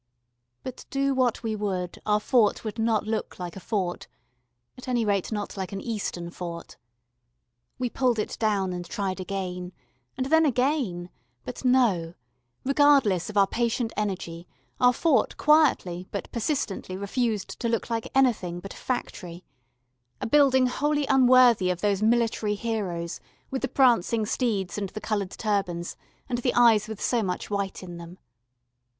But do what we would our fort would not look like a fort at any rate not like an Eastern fort. We pulled it down and tried again, and then again, but no: regardless of our patient energy our fort quietly but persistently refused to look like anything but a factory a building wholly unworthy of those military heroes with the prancing steeds and the coloured turbans, and the eyes with so much white in them.